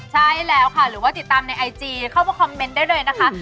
ใช่แล้วค่ะหรือว่าติดตามในไอจีเข้ามาคอมเมนต์ได้เลยนะคะ